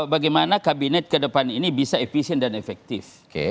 bagaimana kabinet ke depan ini bisa efisien dan efektif